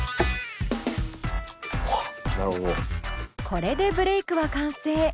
これでブレイクは完成。